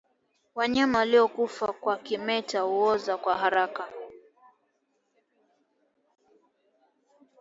Wanyama waliokufa kwa kimeta huoza kwa haraka